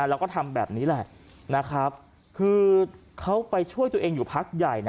แล้วก็ทำแบบนี้แหละนะครับคือเขาไปช่วยตัวเองอยู่พักใหญ่